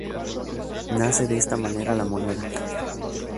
Nace de esta manera la moneda.